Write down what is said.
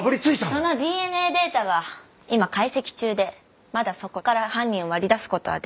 そのＤＮＡデータは今解析中でまだそこから犯人を割り出すことはできません。